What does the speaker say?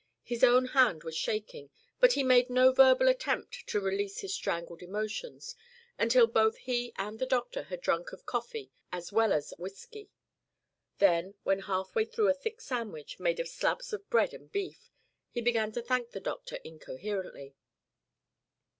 His own hand was shaking, but he made no verbal attempt to release his strangled emotions until both he and the doctor had drunk of coffee as well as whiskey. Then, when half way through a thick sandwich made of slabs of bread and beef, he began to thank the doctor incoherently.